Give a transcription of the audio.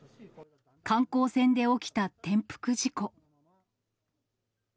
観光船で起きた転覆事故。